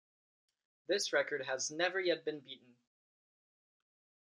This record has never yet been beaten.